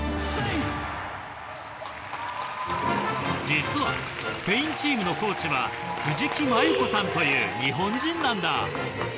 実はスペインチームのコーチは藤木麻祐子さんという日本人なんだ。